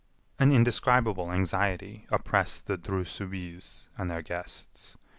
An indescribable anxiety oppressed the Dreux Soubise and their guests.